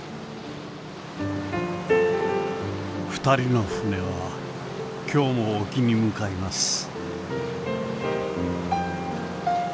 ２人の船は今日も沖に向かいます。